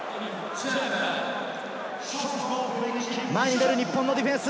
前に出る日本のディフェンス。